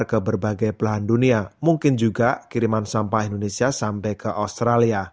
mungkin juga berbagai pelahan dunia mungkin juga kiriman sampah indonesia sampai ke australia